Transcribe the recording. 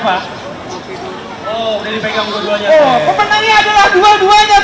pemenangnya adalah dua duanya